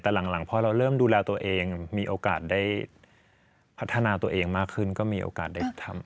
แต่หลังพอเราเริ่มดูแลตัวเองมีโอกาสได้พัฒนาตัวเองมากขึ้นก็มีโอกาสได้ทำ